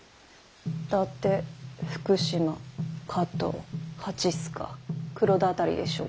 伊達福島加藤蜂須賀黒田辺りでしょうか。